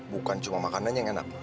bukan cuma makanannya yang enak